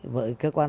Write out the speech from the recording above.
với cơ quan